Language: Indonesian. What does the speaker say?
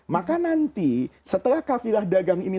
maka nanti setelah kafilah dagang ini